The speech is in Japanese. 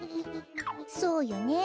そうよね。